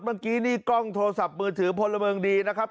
เมื่อกี้นี่กล้องโทรศัพท์มือถือพลเมืองดีนะครับ